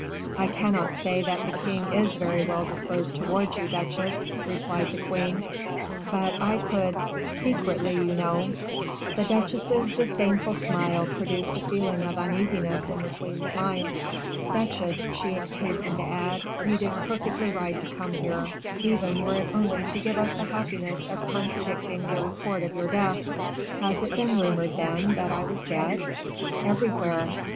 "I cannot say that the king is very well disposed towards you, duchesse," replied the queen; "but I could secretly, you know " The duchesse's disdainful smile produced a feeling of uneasiness in the queen's mind. "Duchesse," she hastened to add, "you did perfectly right to come here, even were it only to give us the happiness of contradicting the report of your death." "Has it been rumored, then, that I was dead?" "Everywhere."